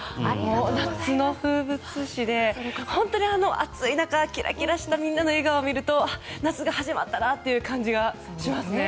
夏の風物詩で、本当に暑い中キラキラしたみんなの笑顔を見ると夏が始まったな！という感じがしますね。